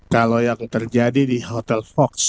kalau yang terjadi di hotel fox